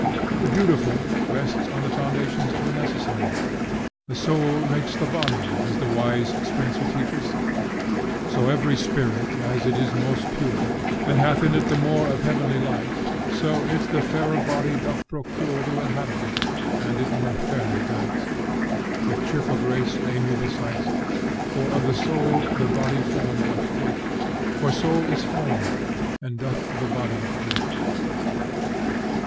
The beautiful rests on the foundations of the necessary. The soul makes the body, as the wise Spenser teaches: "So every spirit, as it is most pure, And hath in it the more of heavenly light, So it the fairer body doth procure To habit in, and it more fairly dight, With cheerful grace and amiable sight. For, of the soul, the body form doth take, For soul is form, and doth the body make."